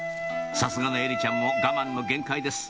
さすがの絵理ちゃんも我慢の限界です